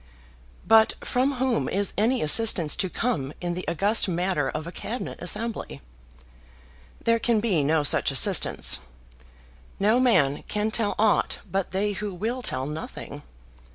But from whom is any assistance to come in the august matter of a Cabinet assembly? There can be no such assistance. No man can tell aught but they who will tell nothing.